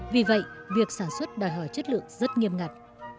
vì vậy việc sản xuất đòi hỏi chất lượng rất nghiêm ngặt